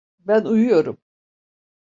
Ben uyuyorum.